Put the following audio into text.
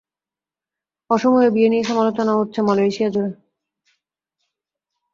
অসম এ বিয়ে নিয়ে সমালোচনা চলছে মালয়েশিয়াজুড়ে।